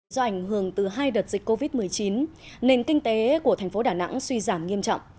do ảnh hưởng từ hai đợt dịch covid một mươi chín nền kinh tế của thành phố đà nẵng suy giảm nghiêm trọng